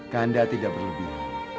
kanda tidak berlebihan